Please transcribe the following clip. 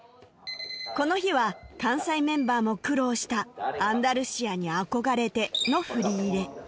この日は関西メンバーも苦労した『アンダルシアに憧れて』の振り入れ